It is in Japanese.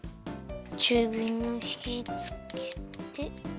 ちゅうびのひつけて。